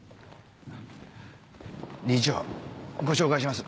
理事長ご紹介します。